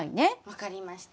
分かりました。